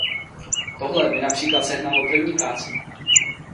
Tohle mi například sehnalo první práci.